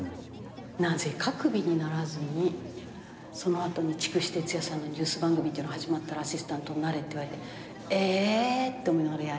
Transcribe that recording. なぜか首にならずにその後に筑紫哲也さんのニュース番組始まったらアシスタントになれって言われてえ！って思いながらやり。